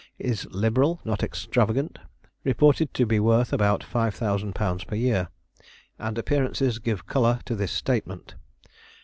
Is liberal, not extravagant; reported to be worth about 5000 pounds per year, and appearances give color to this statement.